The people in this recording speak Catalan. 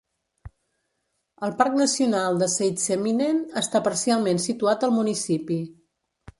El Parc Nacional de Seitseminen està parcialment situat al municipi.